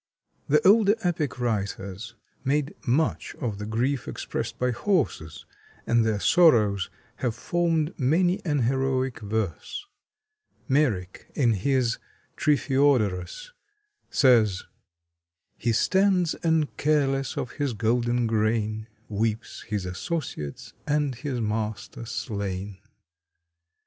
The older epic writers made much of the grief expressed by horses, and their sorrows have formed many an heroic verse. Merrick, in his "Tryphiodorus," says: He stands, and careless of his golden grain, Weeps his associates and his master slain.